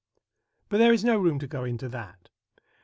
But there is no room to go into that.